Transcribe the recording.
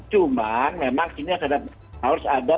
cuma memang ini harus ada penanganan